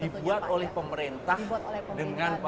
dibuat oleh pemerintah dengan